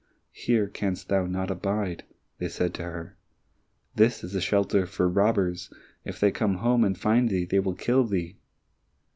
"Here canst thou not abide," they said to her. "This is a shelter for robbers, if they come home and find thee, they will kill thee."